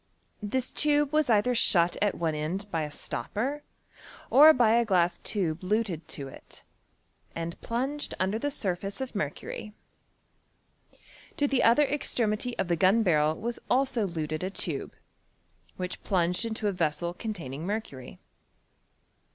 This tube was either shut at one end by a stopper, or by a glass tube luted to it, and plunged under tlie surface of mer cury. To llie other extremity of the gnn barr^ was also luted a tube, which pluuged into a vessel containing mercury.